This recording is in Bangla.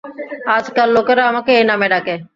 আজকাল লোকেরা আমাকে এই নামে ডাকে।